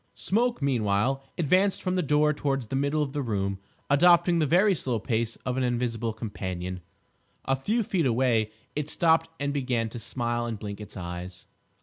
Smoke, meanwhile, advanced from the door towards the middle of the room, adopting the very slow pace of an invisible companion. A few feet away it stopped and began to smile and blink its eyes.